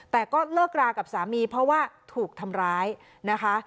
แต่ก็เลิกรากับสามีเพราะว่าถูกทำร้ายนะคะ